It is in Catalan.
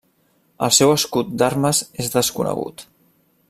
El seu escut d'armes és desconegut.